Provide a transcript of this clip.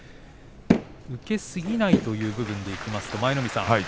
受けすぎないという部分でいいますと舞の海さん